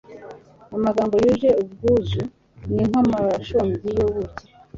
amagambo yuje ubwuzu ni nk'umushongi w'ubuki